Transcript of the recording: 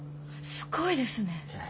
すごいですね。